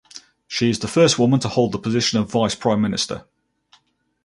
She is the first woman to hold the position of Vice Prime Minister.